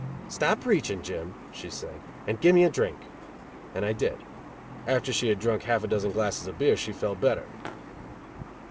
"Stop preaching, Jim," she said, "and give me a drink," and I did. After she had drunk half a dozen glasses of beer she felt better.